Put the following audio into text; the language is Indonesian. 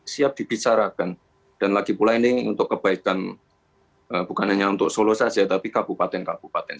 siap dibicarakan dan lagi pula ini untuk kebaikan bukan hanya untuk solo saja tapi kabupaten kabupaten